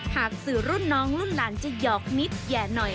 หากสื่อรุ่นน้องรุ่นหลานจะหยอกนิดแห่หน่อย